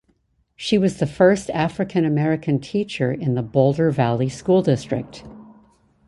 She was the first African American teacher in the Boulder Valley School District.